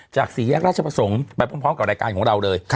สี่แยกราชประสงค์ไปพร้อมกับรายการของเราเลย